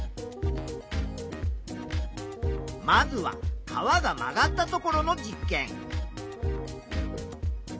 まずは川が曲がったところの実験。